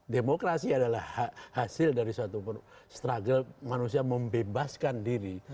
demokrasi adalah hasil dari suatu struggle manusia membebaskan diri